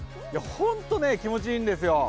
ホント気持ちいいんですよ。